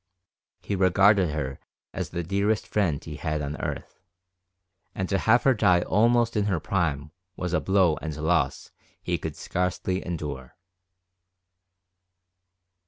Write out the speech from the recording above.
He regarded her as the dearest friend he had on earth, and to have her die almost in her prime was a blow and loss he could scarcely endure.